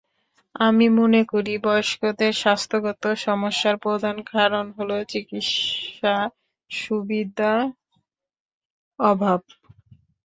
আমি মনে করি, বয়স্কদের স্বাস্থ্যগত সমস্যার প্রধান কারণ হলো, চিকিৎসা-সুবিধার অভাব।